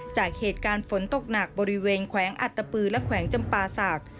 จากเหตุการณ์ฝนตกหนักบริเวณแขวงอัตตปือและแขวงจำปาศักดิ์